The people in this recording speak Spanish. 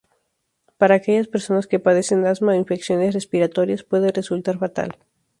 Para aquellas personas que padecen asma o infecciones respiratorias, puede resultar fatal.